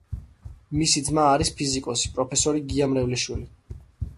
მისი ძმა არის ფიზიკოსი, პროფესორი გია მრევლიშვილი.